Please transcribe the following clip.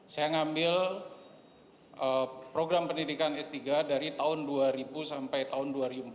saya ngambil program pendidikan s tiga dari tahun dua ribu sampai tahun dua ribu empat belas